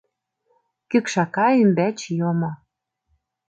Кӱкшака ӱмбач йомо.